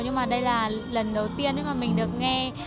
nhưng mà đây là lần đầu tiên mà mình được nghe